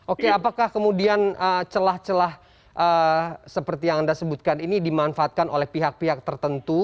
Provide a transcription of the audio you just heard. oke apakah kemudian celah celah seperti yang anda sebutkan ini dimanfaatkan oleh pihak pihak tertentu